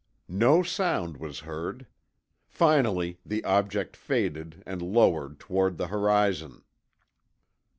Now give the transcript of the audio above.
No sound was heard. Finally, the object faded and lowered toward the horizon."